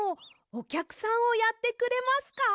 おきゃくさんをやってくれますか？